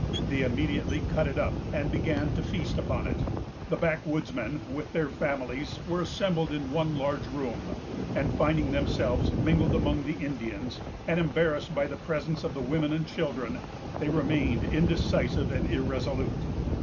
They immediately cut it up, and began to feast upon it. The backwoodsmen, with their families, were assembled in one large room; and finding themselves mingled among the Indians, and embarrassed by the presence of the women and children, they remained indecisive and irresolute.